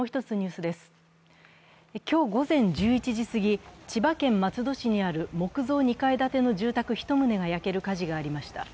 今日午前１１時過ぎ、千葉県松戸市にある木造２階建ての住宅１棟が焼ける火事がありました。